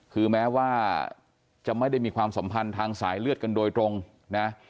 คือแม้ว่าจะไม่ได้มีความสัมพันธ์ทางสายเลือดกันโดยตรงนะ